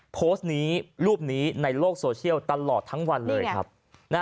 โพสต์นี้รูปนี้ในโลกโซเชียลตลอดทั้งวันเลยครับ